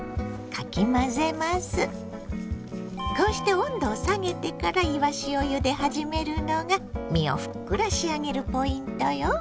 こうして温度を下げてからいわしをゆで始めるのが身をふっくら仕上げるポイントよ。